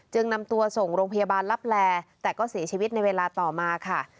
นำตัวส่งโรงพยาบาลลับแลแต่ก็เสียชีวิตในเวลาต่อมาค่ะ